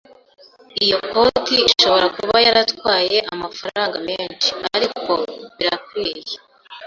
Iyo koti ishobora kuba yaratwaye amafaranga menshi, ariko birakwiye.